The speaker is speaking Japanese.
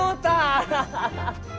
アハハハ！